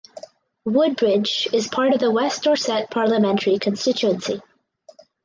Woodbridge is part of the West Dorset parliamentary constituency.